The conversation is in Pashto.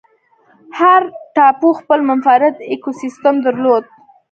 هر ټاپو خپل منفرد ایکوسیستم درلود.